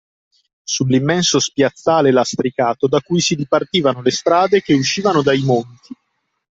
Sull’immenso spiazzale lastricato da cui si dipartivano le strade che uscivano dai Monti.